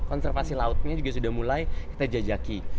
konservasi lautnya juga sudah mulai kita jajaki